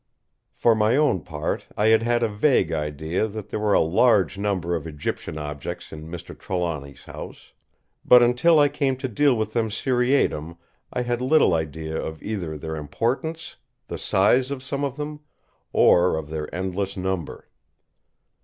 For my own part I had had a vague idea that there were a large number of Egyptian objects in Mr. Trelawny's house; but until I came to deal with them seriatim I had little idea of either their importance, the size of some of them, or of their endless number.